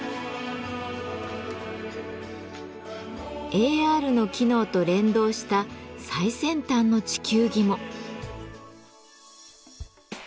ＡＲの機能と連動した最先端の地球儀も。